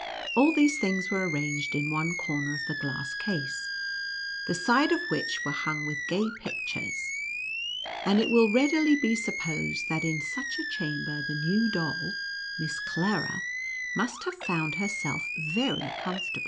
All these things were arranged in one corner of the glass case, the sides of which were hung with gay pic tures, and it will readily be supposed, that in such a chamber the new doll, Miss Clara, must have found herself very comfortable.